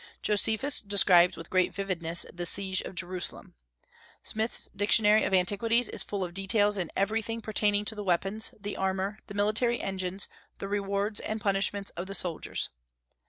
Josephus describes with great vividness the siege of Jerusalem. Smith's Dictionary of Antiquities is full of details in everything pertaining to the weapons, the armor, the military engines, the rewards and punishments of the soldiers.